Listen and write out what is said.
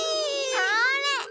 それ！